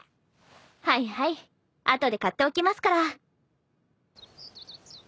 はいはい後で買っておきますから。